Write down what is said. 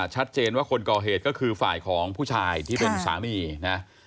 ชัดเจนว่าคนก่อเหตุก็คือฝ่ายของผู้ชายที่เป็นสามีนะ